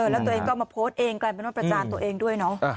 แล้วตัวเองก็มาโพสต์เองกลายเป็นว่าประจานตัวเองด้วยเนาะ